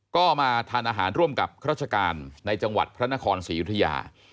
ก็มาทานอาหารร่วมกับราชการในจังหวัดพระนครศรียุธยา